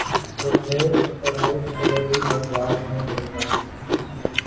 تو پھر پڑاؤ کبھی بھگوال میں ہو گا۔